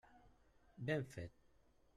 Ben fet.